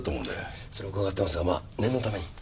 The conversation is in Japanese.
それは伺ってますがまあ念のために。